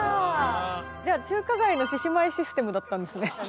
じゃあ中華街の獅子舞システムだったんですね。